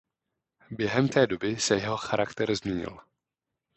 Během té doby se jeho charakter změnil.